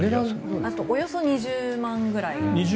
およそ２０万ぐらい。